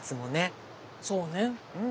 そうね。